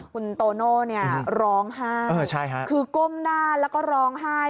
คุณโตโน่เนี่ยร้องไห้คือก้มหน้าแล้วก็ร้องไห้